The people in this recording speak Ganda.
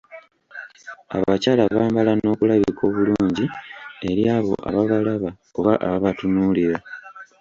Abakyala bambala n’okulabika obulungi eri abo ababalaba oba ababatunuulira.